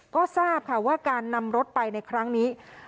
ก็ทราบค่ะว่าการนำรถไปในครั้งนี้